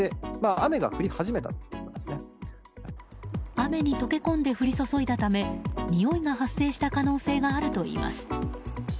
雨に溶け込んで降り注いだためにおいが発生した可能性があるといいます。